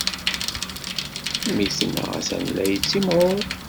Memmi-tneɣ atan la yettimɣur.